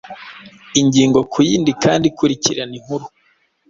ingingo ku yindi kandi ikurikiranainkuru